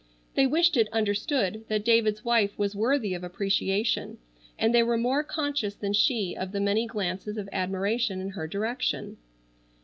They wished it understood that David's wife was worthy of appreciation and they were more conscious than she of the many glances of admiration in her direction.